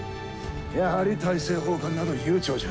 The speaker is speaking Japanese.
やはり大政奉還など悠長じゃ。